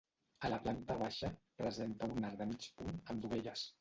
A la planta baixa presenta un arc de mig punt amb dovelles.